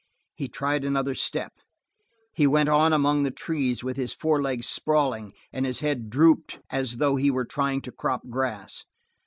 He tried another step; he went on among the trees with his forelegs sprawling and his head drooped as though he were trying to crop grass.